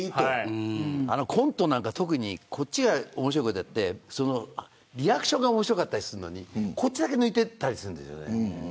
コントなんか特にこっちが面白いことやってリアクションが面白かったりするのにこっちだけ抜いていたりするんですよね。